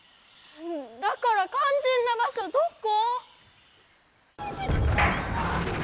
だからかんじんな場所どこ？